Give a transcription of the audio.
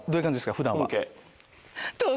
普段は。